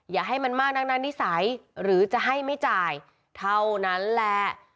อย่าให้มันมากนักนิสัยหรือจะให้ไม่จ่ายเท่านั้นแหละ